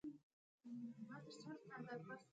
پاکستان د سيمې بدمعاش دی او بدمعاشي يې سپانسر شوې ده.